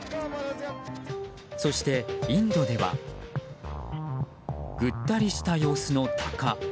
そして、インドではぐったりした様子のタカ。